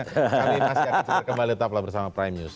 kami mas yadid sudah kembali tetaplah bersama prime news